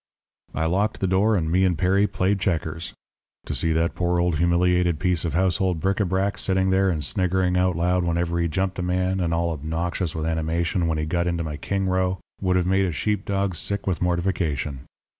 "I locked the door and me and Perry played checkers. To see that poor old humiliated piece of household bric a brac sitting there and sniggering out loud whenever he jumped a man, and all obnoxious with animation when he got into my king row, would have made a sheep dog sick with mortification.